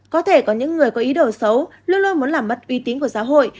có thể có những người có ý đồ xấu lưu lôi muốn làm mất uy tín của giáo hội